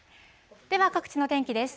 では、各地の天気です。